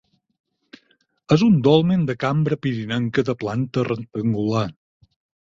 És un dolmen de cambra pirinenca de planta rectangular.